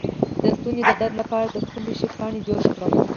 د ستوني د درد لپاره د کوم شي پاڼې جوش کړم؟